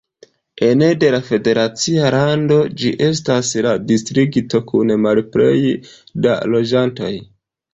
Ene de la federacia lando, ĝi estas la distrikto kun malplej da loĝantoj.